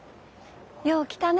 よう来たね。